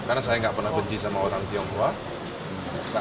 karena saya gak pernah benci sama orang tionghoa